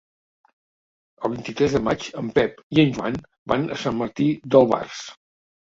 El vint-i-tres de maig en Pep i en Joan van a Sant Martí d'Albars.